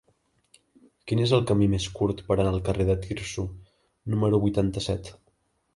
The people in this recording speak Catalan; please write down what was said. Quin és el camí més curt per anar al carrer de Tirso número vuitanta-set?